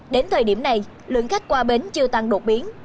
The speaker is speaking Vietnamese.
đến thời điểm này lượng khách qua bến chưa tăng đột biến